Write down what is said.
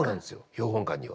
標本館には。